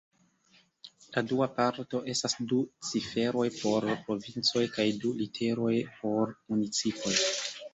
La dua parto estas du ciferoj por provincoj kaj du literoj por municipoj.